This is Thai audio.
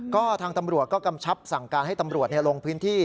ก็ทางตำรวจก็กำชับสั่งการให้ตำรวจลงพื้นที่